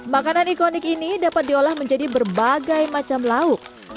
makanan ikonik ini dapat diolah menjadi berbagai macam lauk